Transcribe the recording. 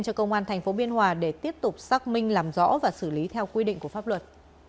cho công an tp biên hòa để tiếp tục xác minh làm rõ và xử lý theo quy định của pháp luật